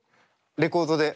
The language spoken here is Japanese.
レコードで。